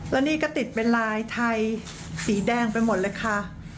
แล้วนี่ก็ติดเป็นลายไทยสีแดงไปหมดเลยค่ะ